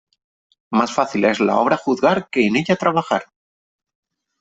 Más fácil es la obra juzgar que en ella trabajar.